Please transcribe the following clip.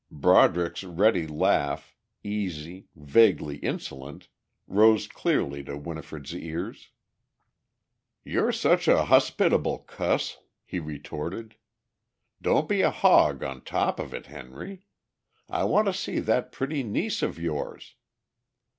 Broderick's ready laugh, slow, easy, vaguely insolent, rose clearly to Winifred's ears. "You're sure a hospitable cuss," he retorted. "Don't be a hog on top of it, Henry. I want to see that pretty niece of yours."